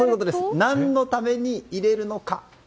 何のために入れるのか。